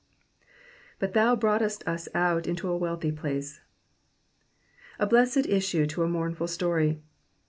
'*^t/t thou hroughlett u$ out into a wealthy place/" A blessed issue to a mournful story.